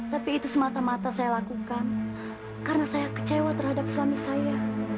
tapi itu semata mata saya lakukan karena saya kecewa terhadap suami saya